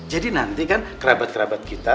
jadi nanti kan kerabat kerabat kita